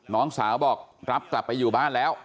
น้องสาวบอกรับกลับไปอยู่บ้านแล้ว